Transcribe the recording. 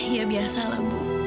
ya biasa lah bu